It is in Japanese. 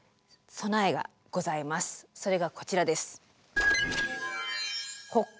それがこちらです。